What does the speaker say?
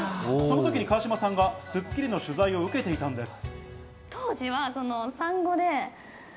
その時に川島さんが『スッキリ』の取材を受けていたんです。